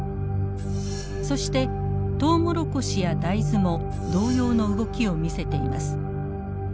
そしてトウモロコシや大豆も同様の動きを見せています。